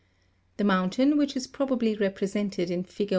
The mountain, which is proba bly represented in fig.